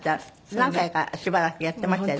何回かしばらくやってましたよ